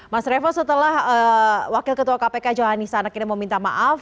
mas revo setelah wakil ketua kpk johan isanak ini meminta maaf